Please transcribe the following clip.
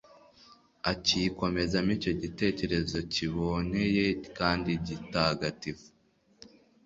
akikomezamo icyo gitekerezo kiboneye kandi gitagatifu